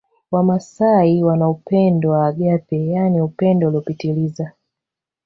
Wamasai wana upendo wa agape yaani upendo uliopitiliza